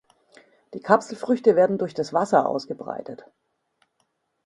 Die Kapselfrüchte werden durch das Wasser ausgebreitet.